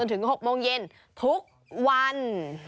ถึง๖โมงเย็นทุกวัน